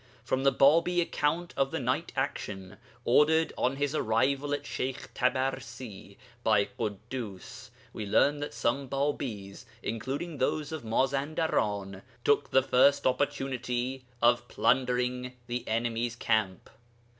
From the Bābī account of the night action, ordered on his arrival at Sheykh Tabarsi by Ḳuddus, we learn that some Bābīs, including those of Mazandaran, took the first opportunity of plundering the enemy's camp.